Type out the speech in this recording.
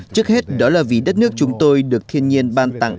trước hết đó là vì đất nước chúng tôi được thiên nhiên ban tặng